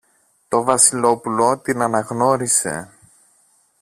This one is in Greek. Το Βασιλόπουλο την αναγνώρισε.